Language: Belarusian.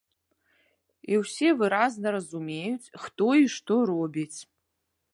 І ўсе выразна разумеюць, хто і што робіць.